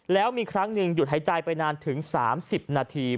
แล้วมีครั้งหนึ่งหยุดหายใจไปนานถึง๓๐นาที